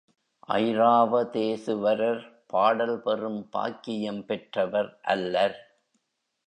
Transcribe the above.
ஐராவதேசுவரர் பாடல் பெறும் பாக்கியம் பெற்றவர் அல்லர்.